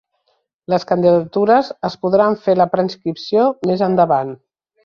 Les candidatures es podran fer la preinscripció més endavant